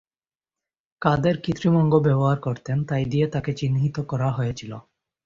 কাদের কৃত্রিম অঙ্গ ব্যবহার করতেন, তাই দিয়ে তাঁকে চিহ্নিত করা হয়েছিল।